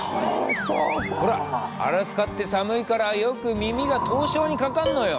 ほらアラスカって寒いからよく耳が凍傷にかかんのよ。